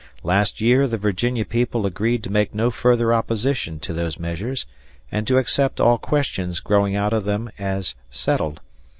Last year the Virginia people agreed to make no further opposition to those measures and to accept all questions growing out of them as settled.